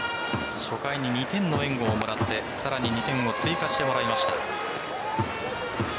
初回に２点の援護をもらってさらに２点を追加してもらいました。